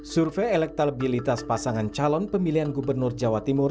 survei elektabilitas pasangan calon pemilihan gubernur jawa timur